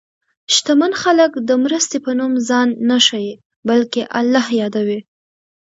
شتمن خلک د مرستې په نوم ځان نه ښيي، بلکې الله یادوي.